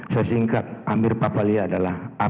saya singkat amir papalia adalah